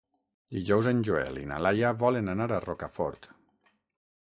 Dijous en Joel i na Laia volen anar a Rocafort.